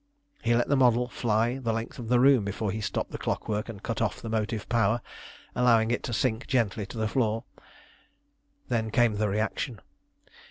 He let the model fly the length of the room before he stopped the clockwork and cut off the motive power, allowing it to sink gently to the floor. Then came the reaction.